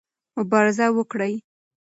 مبارزه وکړئ.